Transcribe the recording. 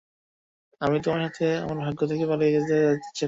আমি তোমার সাথে আমার ভাগ্য থেকে পালিয়ে যেতে চাচ্ছিলাম।